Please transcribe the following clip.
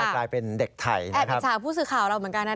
กลายเป็นเด็กไทยแอบอิจฉาผู้สื่อข่าวเราเหมือนกันนะ